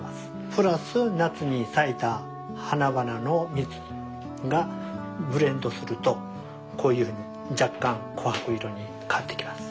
プラス夏に咲いた花々の蜜がブレンドするとこういう若干琥珀色に変わってきます。